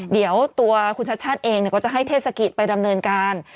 เดี๋ยวตัวคุณชัดชาติเองก็จะให้เทศกิจไปดำเนินการ